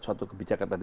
suatu kebijakan tadi